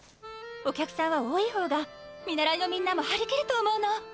お客さんは多いほうが見習いのみんなもはりきると思うの。